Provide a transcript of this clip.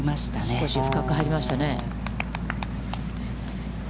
少し深く入りましたね。